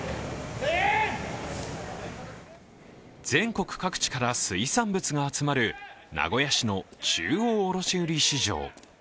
全国各地から水産物が集まる名古屋市の中央卸売市場。